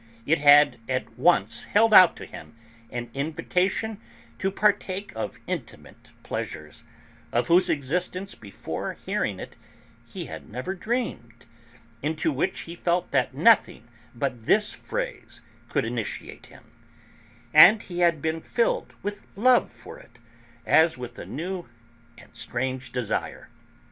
It had at once held out to him an invitation to partake of intimate pleasures, of whose existence, before hearing it, he had never dreamed, into which he felt that nothing but this phrase could initiate him; and he had been filled with love for it, as with a new and strange desire.